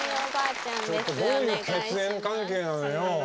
ちょっとどういう血縁関係なのよ。